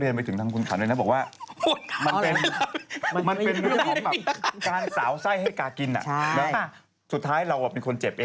แต่เราสามคนอย่างที่บอกนะครับว่า